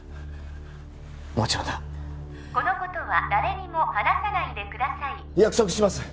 もちろんだこのことは誰にも話さないでください約束します